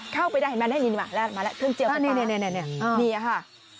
เข้าไปได้มาแล้วเครื่องเจียร์ไฟฟ้านี่นี่อ่ะค่ะ